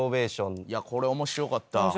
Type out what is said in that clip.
これ面白かった。